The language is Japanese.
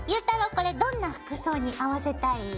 これどんな服装に合わせたい？